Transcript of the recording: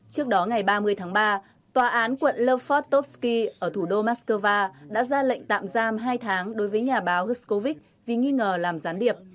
trước đó ngày ba mươi tháng ba tòa án quận lefort tovsky ở thủ đô moscow đã ra lệnh tạm giam hai tháng đối với nhà báo guscow vì nghi ngờ làm gián điệp